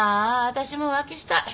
私も浮気したい。